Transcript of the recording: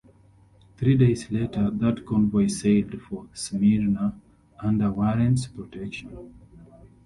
Three days later, that convoy sailed for Smyrna under "Warren's" protection.